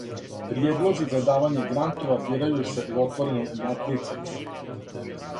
Приједлози за давање грантова бирају се у отвореном натјецању.